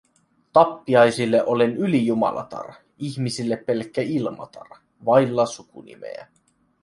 Tappiaisille olen ylijumalatar - ihmisille pelkkä Ilmatar, vailla sukunimeä.